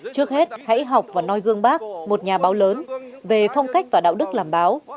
trước hết hãy học và noi gương bác một nhà báo lớn về phong cách và đạo đức làm báo